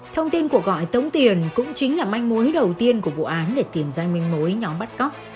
thông tin cuộc gọi tống tiền cũng chính là manh mối đầu tiên của vụ án để tìm ra manh mối nhóm bắt cóc